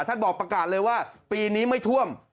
ท่านบอกประกาศเลยว่าปีนี้ไม่ท่วม